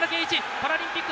パラリンピック